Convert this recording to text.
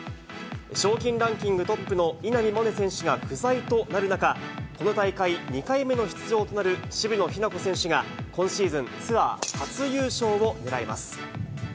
賞金ランキングトップの稲見萌寧選手が不在となる中、この大会２回目の出場となる渋野日向子選手が、今シーズン、ツアー初優勝を狙います。